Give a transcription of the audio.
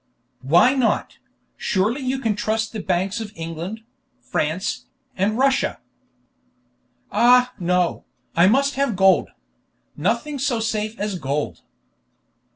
"Why not? Surely you can trust the banks of England, France, and Russia." "Ah no! I must have gold. Nothing so safe as gold."